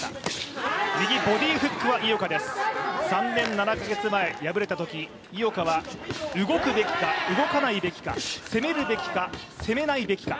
３年７カ月前、敗れたとき井岡は動くべきか、動かないべきか、攻めるべきか攻めないべきか。